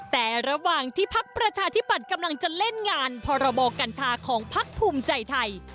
แต่ระหว่างที่พักประชาธิบัติกำลังจะเล่นงานพรบกัญชาของพักภูมิใจไทย